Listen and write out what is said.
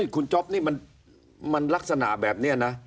คุณจ๊อปนี่มันลักษณะแบบนี้นะ